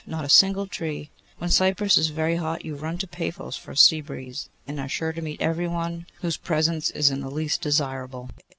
Not a single tree! When Cyprus is very hot, you run to Paphos for a sea breeze, and are sure to meet every one whose presence is in the least desirable.